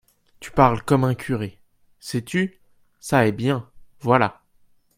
Tu parles comme un curé… sais-tu ?… ça est bien, voilà !